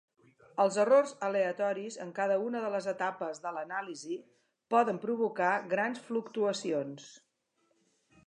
Els errors aleatoris en cada una de les etapes de l'anàlisi poden provocar grans fluctuacions.